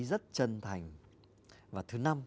rất chân thành